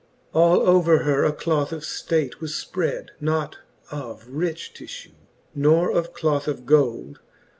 All over her a cloth of ftate was fpred, Not of rich tiflew, nor of cloth of gold.